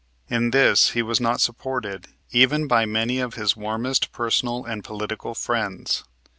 In this he was not supported even by many of his warmest personal and political friends.